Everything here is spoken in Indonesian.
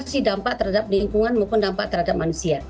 terus ada yang berarti dampak terhadap lingkungan maupun dampak terhadap manusia